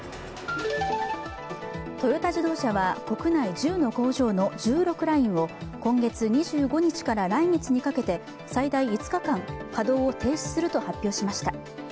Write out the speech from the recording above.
トヨタ自動車は国内１０の工場の１６ラインを今月２５日から来月にかけて最大５日間稼働を停止すると発表しました。